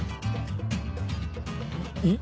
えっ？